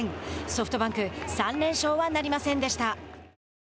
ソフトバンク３連勝はなりませんでした。